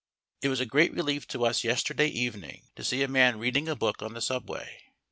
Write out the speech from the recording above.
It was a great relief to us yesterday evening to see a man reading a book in the subway.